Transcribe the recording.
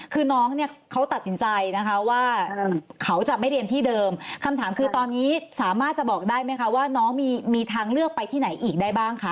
คือน้องเนี่ยเขาตัดสินใจนะคะว่าเขาจะไม่เรียนที่เดิมคำถามคือตอนนี้สามารถจะบอกได้ไหมคะว่าน้องมีทางเลือกไปที่ไหนอีกได้บ้างคะ